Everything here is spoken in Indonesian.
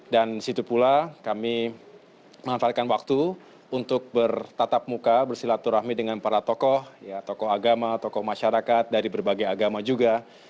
dan disitu pula kami menghantarkan waktu untuk bertatap muka bersilaturahmi dengan para tokoh tokoh agama tokoh masyarakat dari berbagai agama juga